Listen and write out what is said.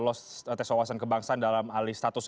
lolos tes wawasan kebangsaan dalam alih status